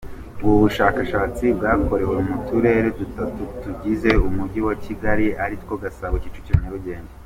Ubu bushakashatsi bwakorewe mu Turere dutatu tugize umujyi wa Kigali aritwo Gasabo, Kicukiro, Nyarugenge.